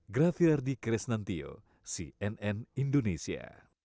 grafirardi kresnantio cnn indonesia